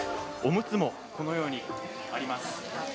おむつもこのようにあります。